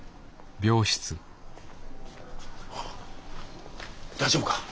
ああ大丈夫か？